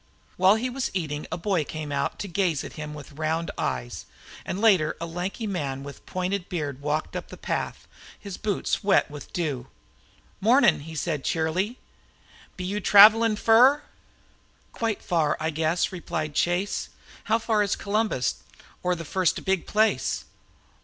While he was eating, a boy came out to gaze at him with round eyes, and later a lanky man with pointed beard walked up the path, his boots wet with dew. "Mornin'," he said cheerily, "be yew travellin' fur?" "Quite far, I guess," replied Chase. "How far is Columbus, or the first big place?"